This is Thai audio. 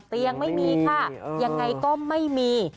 เตียงไม่มีค่ะยังไงก็ไม่มี